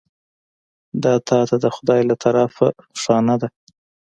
دا تا ته د خدای له طرفه نښانه ده .